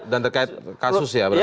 dan terkait kasus ya berarti